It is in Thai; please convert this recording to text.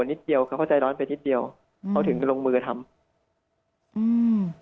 นิดเดียวเขาก็ใจร้อนไปนิดเดียวเขาถึงจะลงมือทำอืม